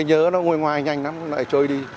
nhớ nó nguôi ngoài nhanh lắm lại trôi đi